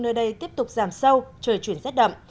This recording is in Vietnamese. nơi đây tiếp tục giảm sâu trời chuyển rét đậm